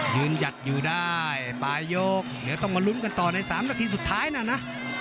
หยัดอยู่ได้ปลายยกเดี๋ยวต้องมาลุ้นกันต่อใน๓นาทีสุดท้ายนะนะ